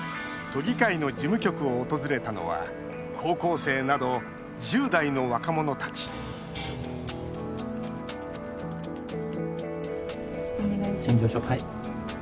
都議会の事務局を訪れたのは高校生など１０代の若者たち陳情書、はい。